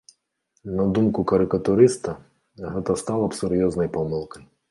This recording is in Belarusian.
На думку карыкатурыста, гэта стала б сур'ёзнай памылкай.